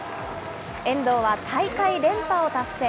遠藤は大会連覇を達成。